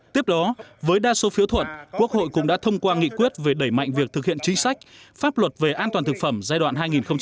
tiếp đó với đa số phiếu thuận quốc hội cũng đã thông qua nghị quyết về đẩy mạnh việc thực hiện chính sách pháp luật về an toàn thực phẩm giai đoạn hai nghìn một mươi chín hai nghìn hai mươi